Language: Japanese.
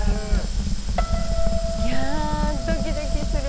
いやドキドキする。